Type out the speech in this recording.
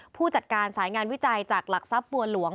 ผู้จัดการสายงานวิจัยจากหลักทรัพย์บัวหลวง